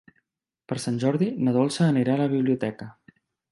Per Sant Jordi na Dolça anirà a la biblioteca.